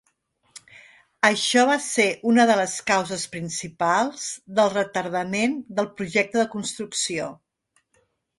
Això va ser una de les causes principals del retardament del projecte de construcció.